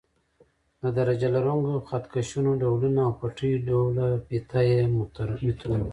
د درجه لرونکو خط کشونو ډولونه او پټۍ ډوله فیته یي مترونه.